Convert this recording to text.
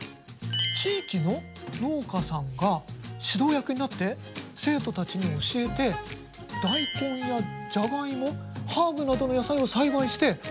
地域の農家さんが指導役になって生徒たちに教えて大根やジャガイモハーブなどの野菜を栽培してえっ？